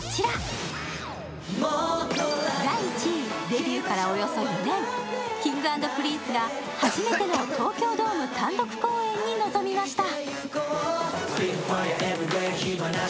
デビューからおよそ２年、Ｋｉｎｇ＆Ｐｒｉｎｃｅが初めての東京ドーム単独公演に臨みました。